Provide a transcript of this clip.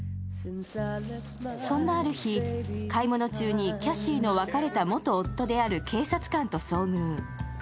そんなある日、買い物中にキャシーの別れた元夫である警察官と遭遇。